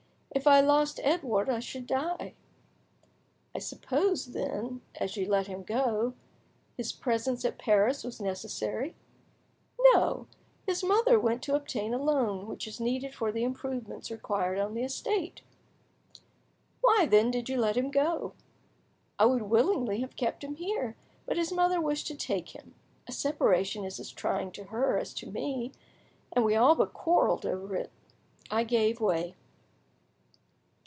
If I lost Edouard I should die!" "I suppose, then, as you let him go, his presence at Paris was necessary?" "No; his mother went to obtain a loan which is needed for the improvements required on the estate." "Why, then, did you let him go?" "I would willingly have kept him here, but his mother wished to take him. A separation is as trying to her as to me, and we all but quarrelled over it. I gave way."